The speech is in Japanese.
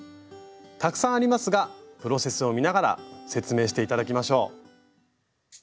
たくさんありますがプロセスを見ながら説明して頂きましょう。